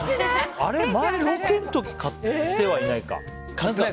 あれ、前、ロケの時買ってはいないか。